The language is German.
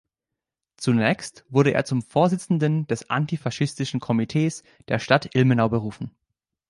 Zunächst wurde er zum Vorsitzenden des Antifaschistischen Komitees der Stadt Ilmenau berufen.